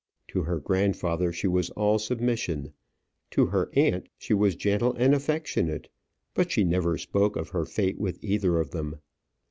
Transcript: To her grandfather she was all submission; to her aunt she was gentle and affectionate; but she never spoke of her fate with either of them.